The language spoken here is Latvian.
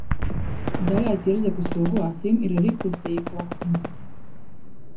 Daļai ķirzaku sugu acīm ir arī kustīgi plakstiņi.